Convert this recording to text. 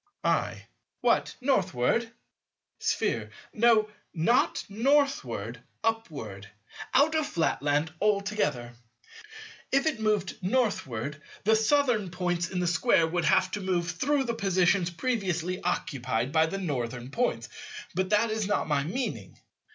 I. What? Northward? Sphere. No, not Northward; upward; out of Flatland altogether. If it moved Northward, the Southern points in the Square would have to move through the positions previously occupied by the Northern points. But that is not my meaning.